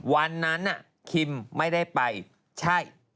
วันนั้นคิมไม่ได้ไปใช่